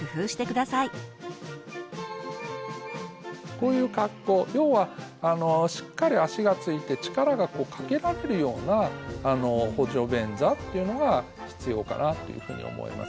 こういう格好要はしっかり足がついて力がかけられるような補助便座というのが必要かなというふうに思います。